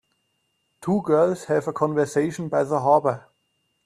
Two girls have a conversation by the harbor.